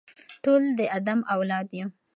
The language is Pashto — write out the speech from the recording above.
ټول د آدم اولاد یو.